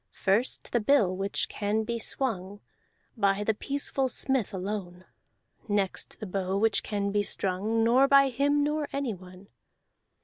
First the bill which can be swung By the peaceful smith alone; Next the bow which can be strung Nor by him nor anyone.